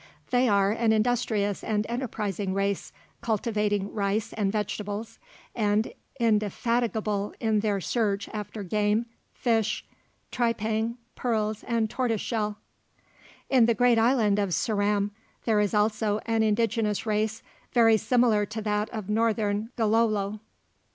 They are an industrious and enterprising race, cultivating rice and vegetables, and indefatigable in their search after game, fish, tripang, pearls, and tortoiseshell. In the great island of Ceram there is also an indigenous race very similar to that of Northern Gilolo.